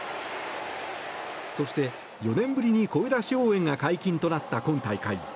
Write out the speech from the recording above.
そして、４年ぶりに声出し応援が解禁となった今大会。